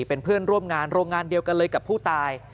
เป็นเพื่อนร่วมงานโรงงานเดียวกันเลยกับผู้ตาย